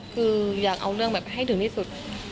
คืออยากเอาเรื่องแบบให้ถึงที่สุด